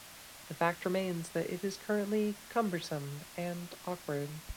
The fact remains that it is currently cumbersome and awkward.